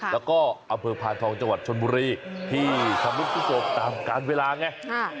แล้วก็อำเภอพานทองจังหวัดชนบุรีที่ชำรุดพิศพตามการเวลาไง